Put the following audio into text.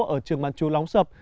ở trường bán chú lóng sập